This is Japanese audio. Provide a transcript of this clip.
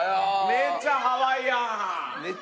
めっちゃハワイアン？